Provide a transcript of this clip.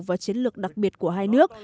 và chiến lược đặc biệt của hai nước